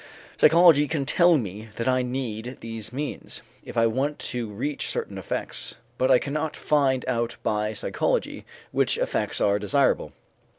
Psychology can tell me that I need these means, if I want to reach certain effects, but I cannot find out by psychology which effects are desirable.